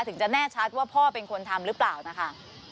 ถึงจะแน่ชัดว่าพ่อเป็นคนทำหรือเปล่านะคะ